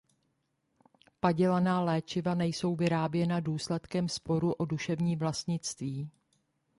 Padělaná léčiva nejsou vyráběna důsledkem sporu o duševní vlastnictví.